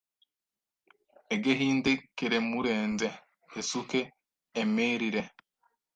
egehinde keremurenze esuke emerire.